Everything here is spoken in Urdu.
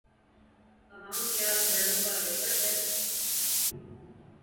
عوام کیا بھیڑوں کا ریوڑ ہے؟